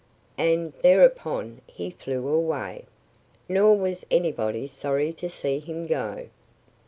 And thereupon he flew away. Nor was anybody sorry to see him go.